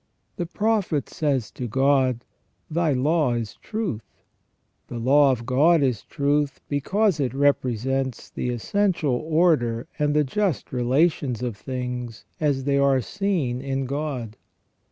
* The Prophet says to God :" Thy law is truth ". The law of God is truth because it represents the essential order and the just relations of things as they are seen in God.